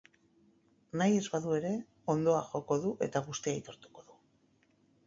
Nahi ez badu ere, hondoa joko du eta guztia aitortuko du.